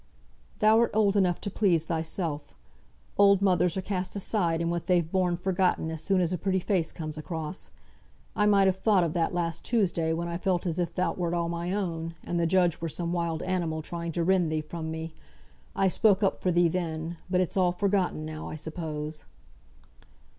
"Thou'rt old enough to please thysel. Old mothers are cast aside, and what they've borne forgotten, as soon as a pretty face comes across. I might have thought of that last Tuesday, when I felt as if thou wert all my own, and the judge were some wild animal trying to rend thee from me. I spoke up for thee then; but it's all forgotten now, I suppose."